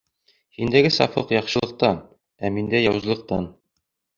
Һиндәге сафлыҡ яҡшылыҡтан, ә миндә яуызлыҡтан.